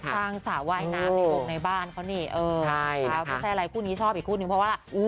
สร้างสระว่ายน้ำในบ้านเขาเนี่ยไม่ใช่อะไรคู่นี้ชอบอีกคู่นึงเพราะว่า